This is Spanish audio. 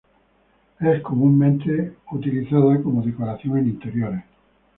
Es comúnmente es utilizada como decoración en interiores.